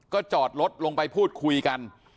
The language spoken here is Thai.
ก็จอดรถลงไปพูดคุยกัน